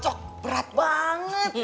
cocok berat banget